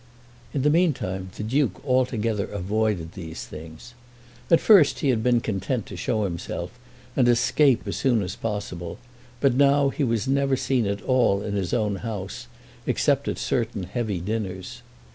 In the meantime the Duke altogether avoided these things. At first he had been content to show himself, and escape as soon as possible; but now he was never seen at all in his own house, except at certain heavy dinners.